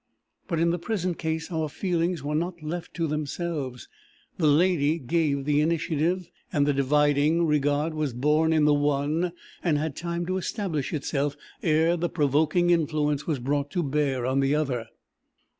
But in the present case, our feelings were not left to themselves; the lady gave the initiative, and the dividing regard was born in the one, and had time to establish itself, ere the provoking influence was brought to bear on the other.